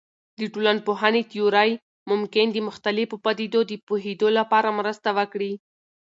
د ټولنپوهنې تیورۍ ممکن د مختلفو پدیدو د پوهیدو لپاره مرسته وکړي.